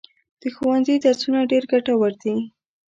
د ښوونځي درسونه ډېر ګټور دي.